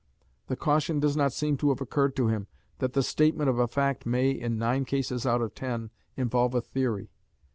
The caution does not seem to have occurred to him that the statement of a fact may, in nine cases out of ten, involve a theory.